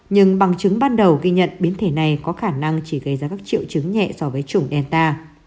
nhưng bằng chứng ban đầu ghi nhận biến thể này có khả năng chỉ gây ra các triệu chứng nhẹ so với chủng delta